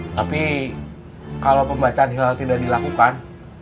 tapi kalau pembacaan hilal tidak dilakukan